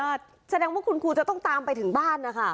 แสดงว่าคุณครูจะต้องตามไปถึงบ้านนะคะ